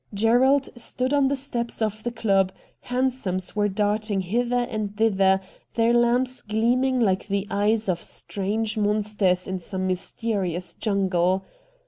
Gerald stood on the steps of the club. Hansoms were darting hither and thither, their lamps gleaming like the eyes of strange monsters in some mysterious jungle.